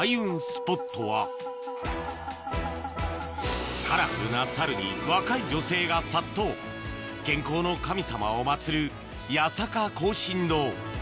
スポットはカラフルな猿に若い女性が殺到健康の神様を祭る